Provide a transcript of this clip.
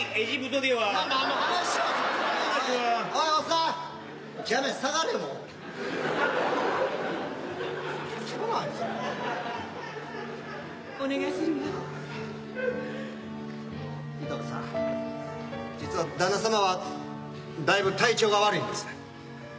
あの裕さん実は旦那様はだいぶ体調が悪いんです。